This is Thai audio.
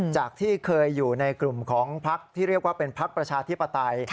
จากที่เคยอยู่ในกลุ่มของพักที่เรียกว่าเป็นพักประชาธิปไตย